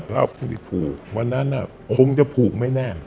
พอผูกวันนั้นคงจะผูกไม่แน่น